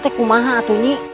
wah itu mah panjang cerita nak